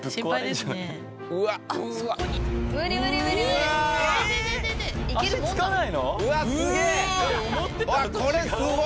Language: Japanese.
すごい！